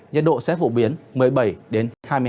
nhật độ sẽ phổ biến một mươi bảy đến hai mươi độ